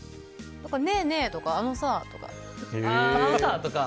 ねえねえとか、あのさとか。